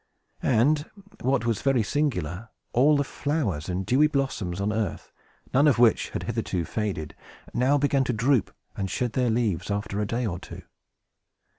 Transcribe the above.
And, what was very singular, all the flowers and dewy blossoms on earth, not one of which had hitherto faded, now began to droop and shed their leaves, after a day or two.